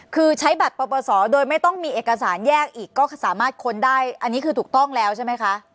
คือใช้บัตรปปศโดยไม่ต้องมีเอกสารแยกอีกก็สามารถค้นได้อันนี้คือถูกต้องแล้วใช่ไหมคะ